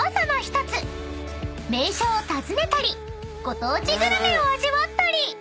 ［名所を訪ねたりご当地グルメを味わったり］